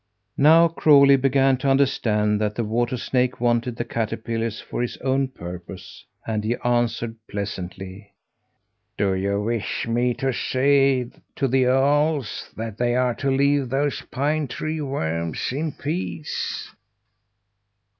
Now Crawlie began to understand that the water snake wanted the caterpillars for his own purpose, and he answered pleasantly: "Do you wish me to say to the owls that they are to leave those pine tree worms in peace?"